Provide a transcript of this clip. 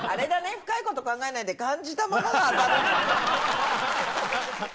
深い事考えないで感じたままが当たるんだね。